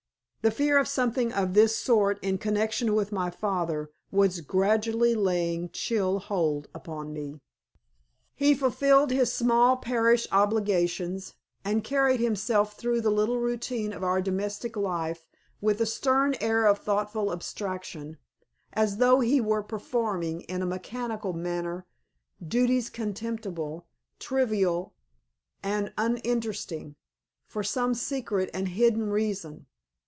The fear of something of this sort in connection with my father was gradually laying chill hold upon me. He fulfilled his small parish obligations, and carried himself through the little routine of our domestic life with a stern air of thoughtful abstraction, as though he were performing in a mechanical manner duties contemptible, trivial, and uninteresting, for some secret and hidden reason.